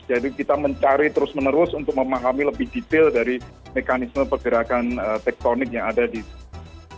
jadi kita mencari terus menerus untuk memahami lebih detail dari mekanisme pergerakan tektonik yang ada di situ